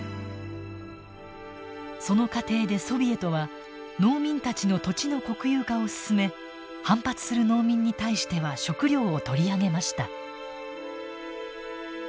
その過程でソビエトは農民たちの土地の国有化を進め反発する農民に対しては食料を取り上げました。